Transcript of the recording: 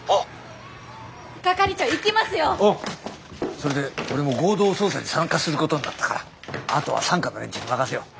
それで俺も合同捜査に参加することになったからあとは三課の連中に任せよう。